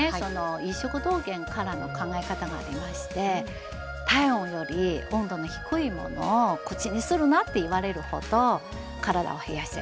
医食同源からの考え方がありまして体温より温度の低いものを口にするなって言われるほど体は冷やしちゃいけない。